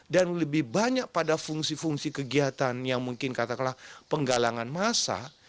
dan lebih banyak pada fungsi fungsi kegiatan yang mungkin katakanlah penggalangan massa